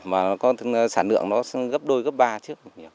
mà con sản lượng nó gấp đôi gấp ba trước